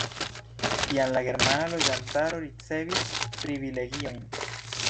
Tiam la germana loĝantaro ricevis privilegiojn.